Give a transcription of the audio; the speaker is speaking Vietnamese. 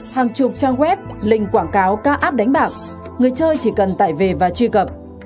hàng chục trang web linh quảng cáo ca áp đánh bạc người chơi chỉ cần tải về và truy cập